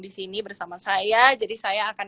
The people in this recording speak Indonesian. di sini bersama saya jadi saya akan